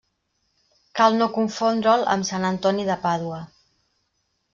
Cal no confondre'l amb sant Antoni de Pàdua.